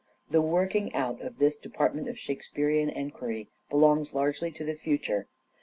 The working out of this depart ment of Shakespearean enquiry belongs largely to the future.